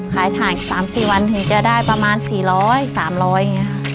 ขายถ่าย๓๔วันถึงจะได้ประมาณ๔๐๐๓๐๐อย่างนี้ค่ะ